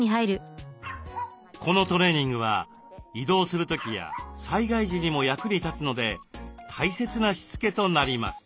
このトレーニングは移動する時や災害時にも役に立つので大切なしつけとなります。